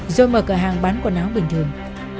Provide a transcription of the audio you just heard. rồi mở cửa hàng bán quần áo bình thường